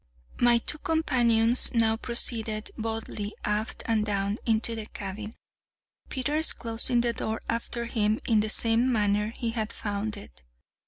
My two companions now proceeded boldly aft and down into the cabin, Peters closing the door after him in the same manner he had found it.